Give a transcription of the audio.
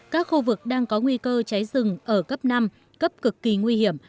các khu vực đang có nguy cơ cháy rừng ở cấp năm cấp cực kỳ nguy hiểm